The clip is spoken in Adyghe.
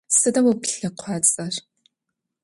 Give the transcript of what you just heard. Сыда о плъэкъуацӏэр?